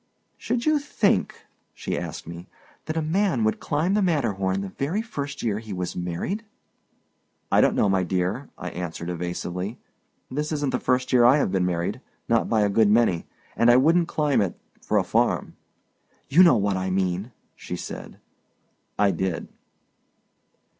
"Should you think," she asked me, "that a man would climb the Matterhorn the very first year he was married?" "I don't know, my dear," I answered, evasively; "this isn't the first year I have been married, not by a good many, and I wouldn't climb it—for a farm." "You know what I mean," she said. I did.